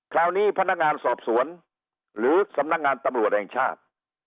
คราวนี้พนักงานสอบสวนหรือสำนักงานตำรวจแห่งชาติ